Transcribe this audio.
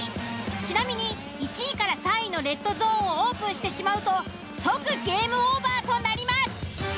ちなみに１位３位のレッドゾーンをオープンしてしまうと即ゲームオーバーとなります。